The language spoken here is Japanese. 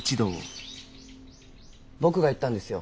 僕が言ったんですよ